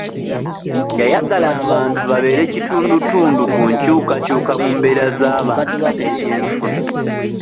Yayagala abantu babeere kitundutundu ku nkyukakyuka mu mbeera z'abantu n'eby'enfuna.